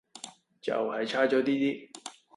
就係差左啲啲